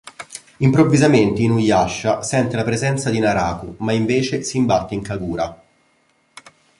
Improvvisamente Inuyasha sente la presenza di Naraku, ma invece si imbatte in Kagura.